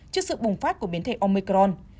trước sự bùng phát của biến thể omicron